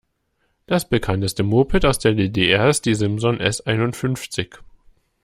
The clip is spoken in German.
Das Bekannteste Moped aus der D-D-R ist die Simson S einundfünfzig.